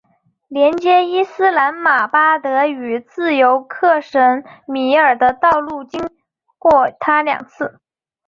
连接伊斯兰马巴德与自由克什米尔的道路经过它两次。